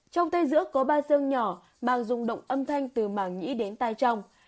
trong tay giữa có ba xương nhỏ bằng dung động âm thanh từ màng nhĩ đến tay trong